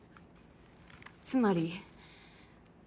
つまり。